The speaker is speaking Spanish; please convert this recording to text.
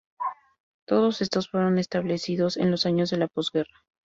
Todos estos fueron establecidos en los años de la posguerra.